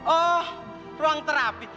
oh ruang terapi